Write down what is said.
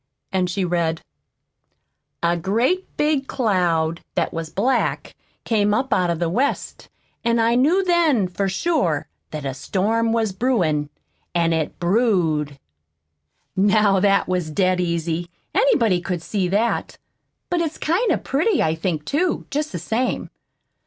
And she read: "A great big cloud That was black Came up Out of the West. An' I knew Then For sure That a storm was brewin'. An' it brewed." "Now that was dead easy anybody could see that. But it's kind of pretty, I think, too, jest the same.